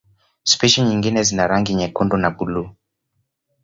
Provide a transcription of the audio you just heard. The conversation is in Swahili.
Spishi nyingine zina rangi nyekundu na buluu.